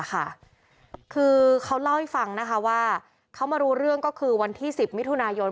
คือเขาเล่าให้ฟังนะคะว่าเขามารู้เรื่องก็คือวันที่๑๐มิถุนายน